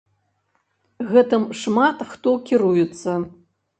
Гэтым шмат хто кіруецца.